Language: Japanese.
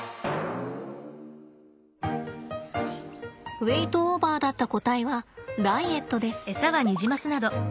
ウエイトオーバーだった個体はダイエットです。